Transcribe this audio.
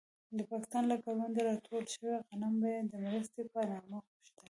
د پاکستان له کروندو راټول شوي غنم به يې د مرستې په نامه غوښتل.